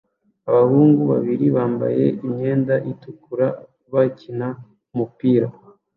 Abahungu babiri bambaye imyenda itukura bakina umupira